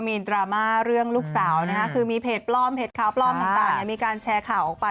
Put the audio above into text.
เพราะว่าอยากให้ป๊าดูแลสุขภาพมากกว่า